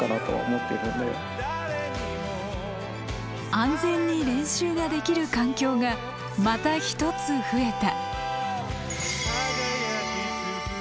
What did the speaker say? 安全に練習ができる環境がまた一つ増えた。